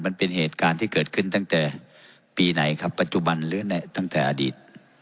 มันเป็นเหตุการณ์ที่เกิดขึ้นตั้งแต่ปีไหนครับปัจจุบันหรือในตั้งแต่อดีต